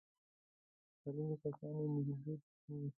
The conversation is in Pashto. بللي کسان یې محدود وي.